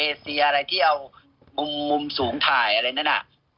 ไอ้สารคดีเอเซียอะไรที่เอามุมสูงถ่ายอะไรนั้นน่ะ